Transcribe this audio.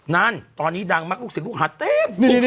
นั่นตอนนี้ดังมากลูกศิษย์ลูกหาเต็ม